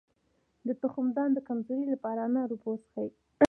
د تخمدان د کمزوری لپاره د انار اوبه وڅښئ